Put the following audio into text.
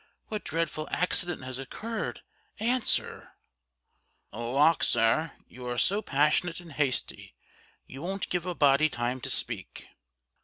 what dreadful accident has occurred?" Answer "Lawk, sir, you are so passionate and hasty; you won't give a body time to speak."